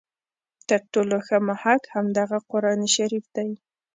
تر ټولو ښه محک همدغه قرآن شریف دی.